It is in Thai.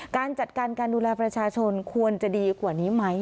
การจัดการการดูแลประชาชนควรจะดีกว่านี้ไหม